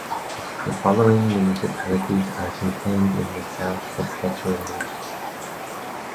The following municipalities are contained in the South Saskatchewan Region.